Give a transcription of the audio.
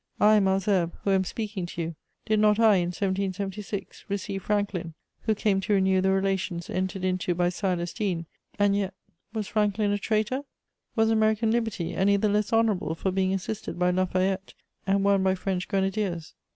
I, Malesherbes, who am speaking to you, did not I, in 1776, receive Franklin, who came to renew the relations entered into by Silas Deane, and yet was Franklin a traitor? Was American liberty any the less honourable for being assisted by La Fayette and won by French grenadiers?